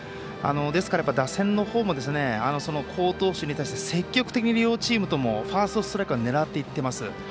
ですから、打線のほうも好投手に対して積極的に両チームともファーストストライクから狙っていっています。